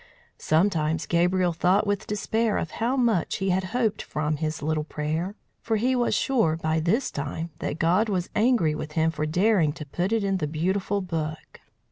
Sometimes Gabriel thought with despair of how much he had hoped from his little prayer! For he was sure, by this time, that God was angry with him for daring to put it in the beautiful book.